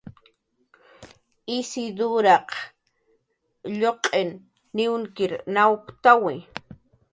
Isiduraq lluq'in niwnir nawptawi